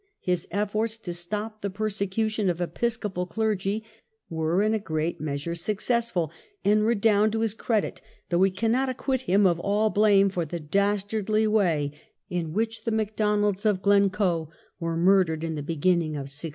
His efforts to stop the persecution of Episcopal clergy were in a great measure successful, and redound to his credit; though we cannot acquit him of all blame for the dastardly way in which the Macdonalds of Glencoe were murdered in the beginning of 1692.